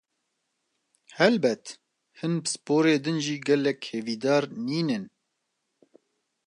Helbet, hin pisporên din jî gelek hêvîdar nînin.